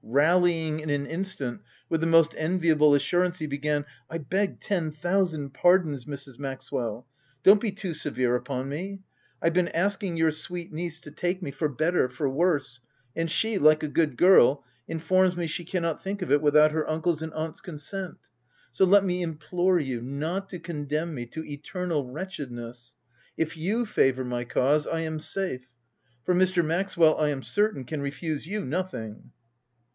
Rallying in an instant, with the most enviable assurance, he began —" I beg ten thousand pardons, Mrs. Max well ! Don't be too severe upon me. I've been asking your sweet niece to take me for OF WILDFELL HALL 35^ better, for worse ; and she, like a good girl, informs me she cannot think of it without her uncle's and aunt's consent. So let me implore you not to condemn me to eternal wretched ness : if you favour my cause, I am safe ; for Mr. Maxwell, I am certain, can refuse you nothing."